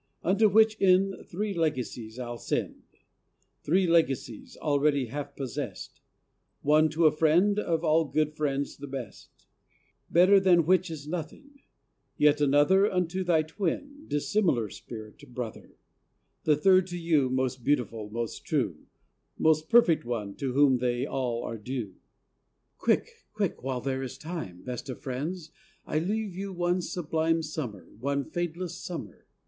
Unto which end Three legacies I’ll send, Three legacies, already half possess’d: One to a friend, of all good friends the best, Better than which is nothing; yet another Unto thy twin, dissimilar spirit, Brother; The third to you, Most beautiful, most true, Most perfect one, to whom they all are due. Quick, quick ... while there is time.... O best of friends, I leave you one sublime Summer, one fadeless summer.